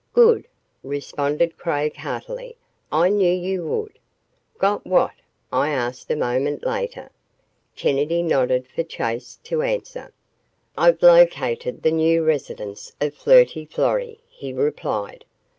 "Good," responded Craig heartily. "I knew you would." "Got what?" I asked a moment later. Kennedy nodded for Chase to answer. "I've located the new residence of Flirty Florrie," he replied.